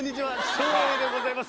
照英でございます。